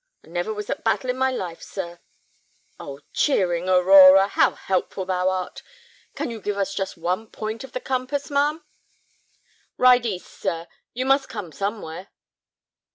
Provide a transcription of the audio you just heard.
"I never was at Battle in my life, sir." "Oh, cheering Aurora, how helpful thou art! Can you give us just one point of the compass, ma'am?" "Ride east, sir; you must come somewhere."